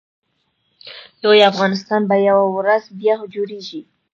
لوی افغانستان به یوه ورځ بیا جوړېږي